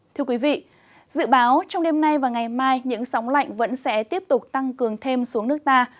thưa quý vị dự báo trong đêm nay và ngày mai những sóng lạnh vẫn sẽ tiếp tục tăng cường thêm xuống nước ta